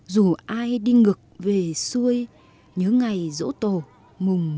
dù ai đi ngực về xuôi nhớ ngày rỗ tổ mùng một mươi tháng